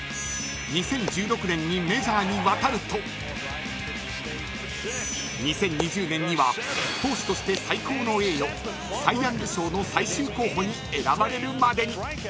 ２０１６年にメジャーに渡ると２０２０年には投手として最高の栄誉サイ・ヤング賞の最終候補に選ばれるまでに。